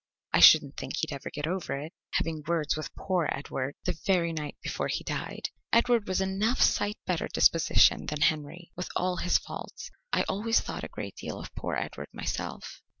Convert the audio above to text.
I shouldn't think he'd ever get over it, having words with poor Edward the very night before he died. Edward was enough sight better disposition than Henry, with all his faults. I always thought a great deal of poor Edward, myself."